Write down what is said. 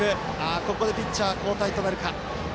ここでピッチャー交代となるか。